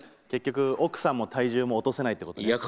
結局、奥さんも体重も落とせないってことね。